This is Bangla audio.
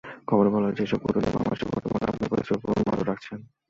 খবরে বলা হয়, এসব কূটনীতিক বাংলাদেশের বর্তমান রাজনৈতিক পরিস্থিতির ওপর নজর রাখছেন।